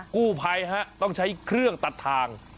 กู้ภัยฮะต้องใช้เครื่องตัดทาง